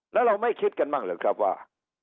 แล้วเราไม่คิดกันบ้างหรือครับว่า